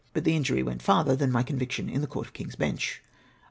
But tlie injury went farther than my conviction in the Cijurt of King's Bench.